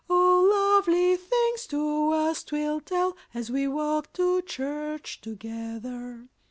Oh, lovely things to us 'twill tell, As we walk to church together.